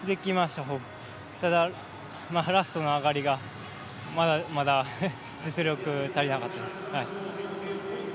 ただ、ラストの上がりがまだまだ実力、足りなかったです。